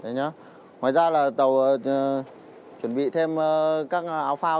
ngoài ra là tàu chuẩn bị thêm các áo phao